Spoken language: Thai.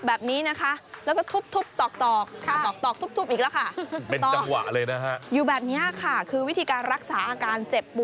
แบบนี้นะคะแล้วก็ทุบตอก